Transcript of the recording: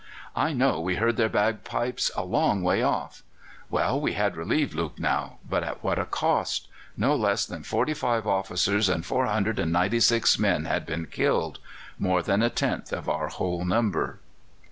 I know we heard their bagpipes a long way off. Well, we had relieved Lucknow, but at what a cost! No less than forty five officers and 496 men had been killed more than a tenth of our whole number."